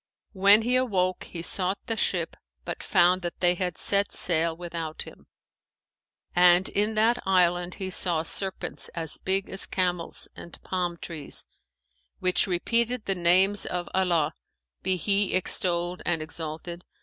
When he awoke, he sought the ship but found that she had set sail without him, and in that island he saw serpents as big as camels and palm trees, which repeated the names of Allah (be He extolled and exalted!)